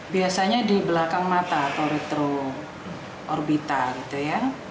biasanya di belakang mata atau retroorbita gitu ya